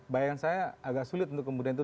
bayangan saya agak sulit untuk kemudian itu